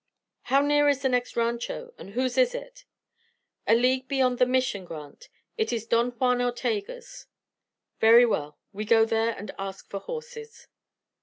"How near is the next rancho, and whose is it?" "A league beyond the Mission grant. It is Don Juan Ortega's." "Very well, we go there and ask for horses."